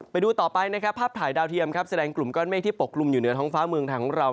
ไปดูต่อไปนะครับภาพถ่ายดาวเทียมครับแสดงกลุ่มก้อนเมฆที่ปกลุ่มอยู่เหนือท้องฟ้าเมืองไทยของเรา